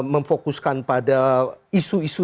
memfokuskan pada isu isu